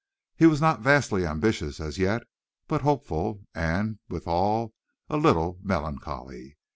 He was not vastly ambitious as yet, but hopeful and, withal, a little melancholy.